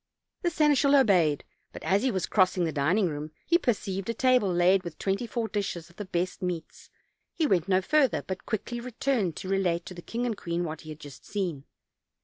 The seneschal obeyed; but as he was crossing the din ing room he perceived a table laid with twenty four dishes of the best meats. He went no further, but quickly returned to relate to the king and queen what he had just seen.